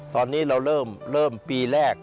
ตอนนี้เราเริ่มปีแรก